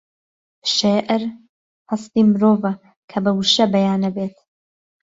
شێعر هەستی مرۆڤە کە بە وشە بەیان ئەبێت